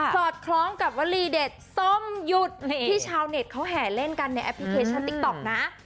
อดคล้องกับวลีเด็ดส้มหยุดที่ชาวเน็ตเขาแห่เล่นกันในแอปพลิเคชันติ๊กต๊อกนะ